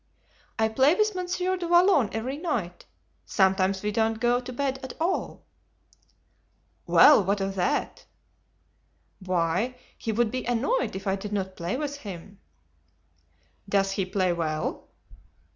"I play with Monsieur du Vallon every night. Sometimes we don't go to bed at all!" "Well, what of that?" "Why, he would be annoyed if I did not play with him." "Does he play well?"